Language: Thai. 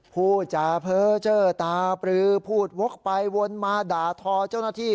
พูดจาเพ้อเจอตาปลือพูดวกไปวนมาด่าทอเจ้าหน้าที่